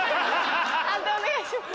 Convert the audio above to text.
判定お願いします。